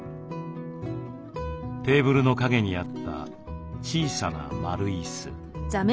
テーブルの陰にあった小さな丸椅子。